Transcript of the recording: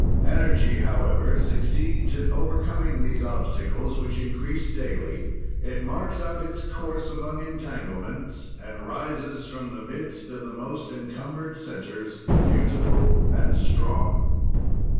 Energy, however, succeeds in overcoming these obstacles which increase daily; it marks out its course among entanglements and rises from the midst of the most encumbered centers, beautiful and strong.